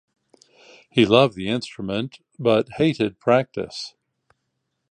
He loved the instrument, but hated practice.